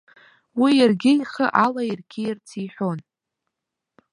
Уи иаргьы ихы алаирқьиарц иҳәон.